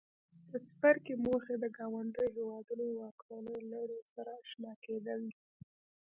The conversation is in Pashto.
د څپرکي موخې د ګاونډیو هېوادونو واکمنو لړیو سره آشنا کېدل دي.